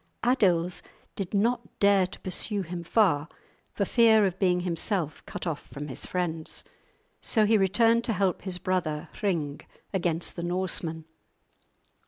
Adils did not dare to pursue him far, for fear of being himself cut off from his friends. So he returned to help his brother Hring against the Norsemen.